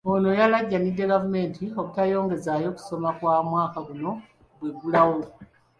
Ono yalaajanidde gavumenti obutayongezaayo kusoma kwa mwaka guno bw'eggulawo.